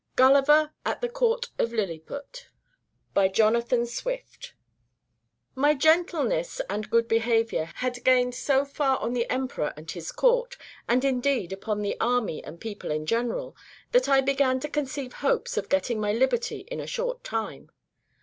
GULLIVER AT THE COURT OF LILLIPUT By Jonathan Swift My gentleness and good behavior had gained so far on the emperor and his court, and indeed upon the army and people in general, that I began to conceive hopes of getting my liberty in a short time.